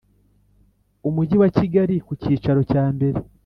Umujyi wa Kigali ku cyicaro cyambere